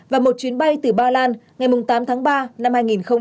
và một chuyến bay từ ba lan ngày tám tháng ba năm hai nghìn hai mươi